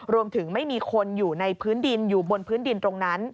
ไม่มีคนอยู่ในพื้นดินอยู่บนพื้นดินตรงนั้น